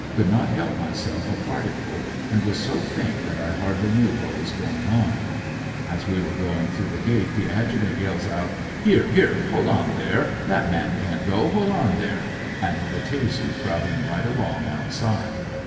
Could not help myself a particle, and was so faint that I hardly knew what was going on. As we were going through the gate the adjutant yells out: "Here, here! hold on there, that man can't go, hold on there!" and Battese crowding right along outside.